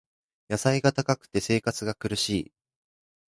野菜が高くて生活が苦しい